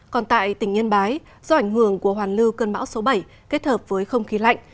còn tại tỉnh yên bái do ảnh hưởng của hoàn lưu cơn bão số bảy kết hợp với không khí lạnh